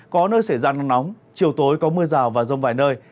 có nơi xảy ra nắng nóng chiều tối có mưa rào và rông vài nơi